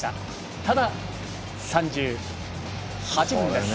ただ３８分です。